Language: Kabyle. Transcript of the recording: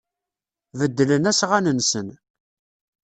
Beddlen asɣan-nsen.